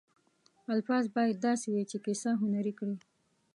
الفاظ باید داسې وي چې کیسه هنري کړي.